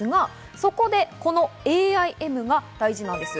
そこで、このＡＩＭが大事です。